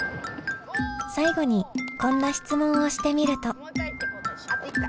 最後にこんな質問をしてみると。